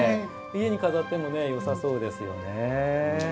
家に飾ってもよさそうですよね。